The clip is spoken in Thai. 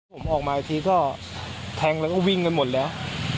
ผมออกมาอีกทีก็แทงแล้วก็วิ่งกันหมดแล้ว